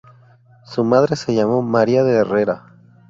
Su madre se llamó María de Herrera.